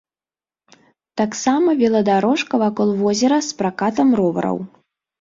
Таксама веладарожка вакол возера з пракатам ровараў.